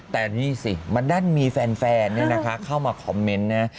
แต่นี่สิมันด้านมีแฟนเข้ามาคอมเมนต์นะ